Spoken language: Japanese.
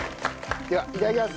ではいただきます。